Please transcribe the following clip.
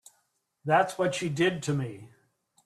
That's what she did to me.